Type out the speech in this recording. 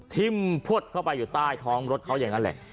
ทิ้มพวดเข้าไปอยู่ใต้ท้องรถเขาอย่างนั้นแหละ